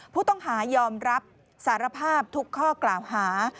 ผู้ต้องหายอมรับสารภาพทุกข้อกล่าวหา